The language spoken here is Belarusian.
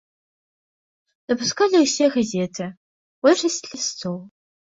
Дапускалі ўсе газеты, большасць лістоў.